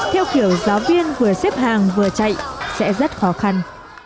theo kiểu giáo viên vừa xếp hàng vừa chạy sẽ rất khó khăn